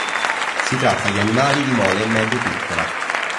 Si tratta di animali di mole medio-piccola.